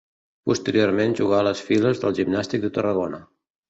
Posteriorment jugà a les files del Gimnàstic de Tarragona.